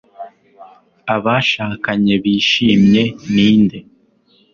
Abashakanye bishimye ninde